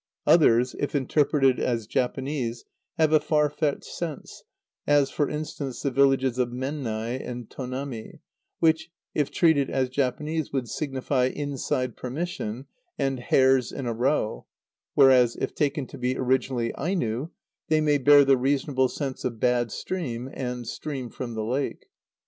Others, if interpreted as Japanese, have a far fetched sense, as, for instance, the villages of Mennai and Tonami, which, if treated as Japanese, would signify "inside permission" and "hares in a row"; whereas, if taken to be originally Aino they may bear the reasonable sense of "bad stream" and "stream from the lake."